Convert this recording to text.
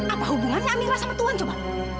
apa hubungannya mira sama tuhan coba